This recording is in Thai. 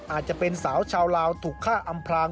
อาจจะเป็นสาวชาวลาวถูกฆ่าอำพลาง